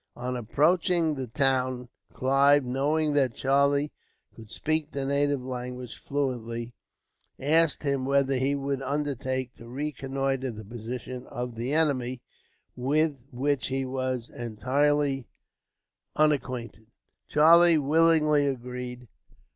On approaching the town Clive, knowing that Charlie could speak the native language fluently, asked him whether he would undertake to reconnoitre the position of the enemy, with which he was entirely unacquainted. Charlie willingly agreed.